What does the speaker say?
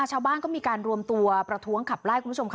ชาวบ้านก็มีการรวมตัวประท้วงขับไล่คุณผู้ชมค่ะ